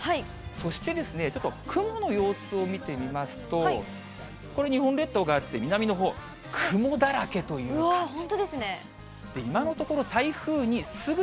そしてちょっと雲の様子を見てみますと、これ日本列島があって、南のほう、雲だらけという感じ。